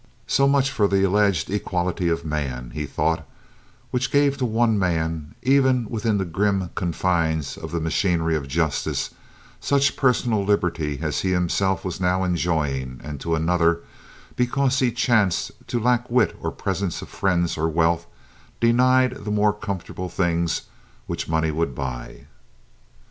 So much for the alleged equality of man, he thought, which gave to one man, even within the grim confines of the machinery of justice, such personal liberty as he himself was now enjoying, and to another, because he chanced to lack wit or presence or friends or wealth, denied the more comfortable things which money would buy.